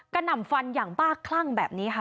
หน่ำฟันอย่างบ้าคลั่งแบบนี้ค่ะ